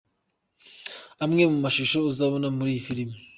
Amwe mu mashusho uzabona muri iyi filime.